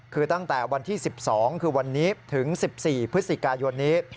คือตั้งแต่วันที่๑๒คือวันนี้ถึง๑๔พฤศจิกายนนี้